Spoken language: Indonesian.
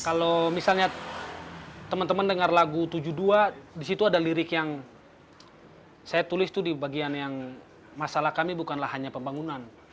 kalau misalnya teman teman dengar lagu tujuh puluh dua disitu ada lirik yang saya tulis itu di bagian yang masalah kami bukanlah hanya pembangunan